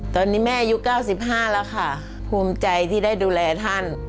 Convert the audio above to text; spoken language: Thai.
ตอนนี้แม่อายุ๙๕แล้วค่ะภูมิใจที่ได้ดูแลท่าน